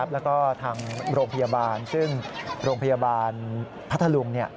แล้วก็ทางโรงพยาบาลซึ่งโรงพยาบาลพัทธลุง